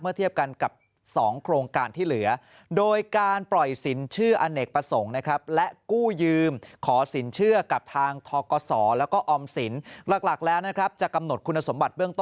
เมื่อเทียบกันกับ๒โครงการที่เหลือ